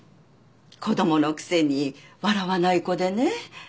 子供のくせに笑わない子でね。